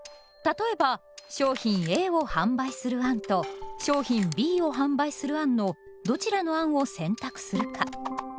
例えば商品Ａを販売する案と商品Ｂを販売する案のどちらの案を選択するか。